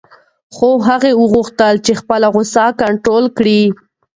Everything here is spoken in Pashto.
خو هغه وغوښتل چې خپله غوسه کنټرول کړي.